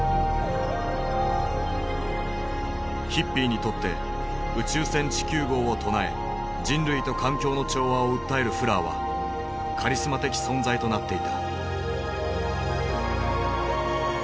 ヒッピーにとって「宇宙船地球号」を唱え人類と環境の調和を訴えるフラーはカリスマ的存在となっていた。